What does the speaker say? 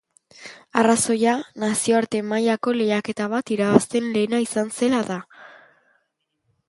Arrazoia, nazioarte mailako lehiaketa bat irabazten lehena izan zela da.